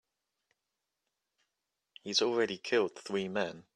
He's already killed three men.